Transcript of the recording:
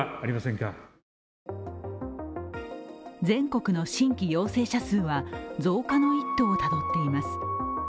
全国の新規陽性者数は増加の一途をたどっています。